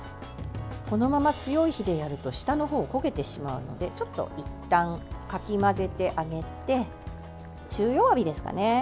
このまま強い火でやると下の方、焦げてしまうのでちょっといったんかき混ぜてあげて中弱火ですかね。